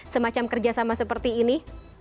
semacam kerja sama seperti ini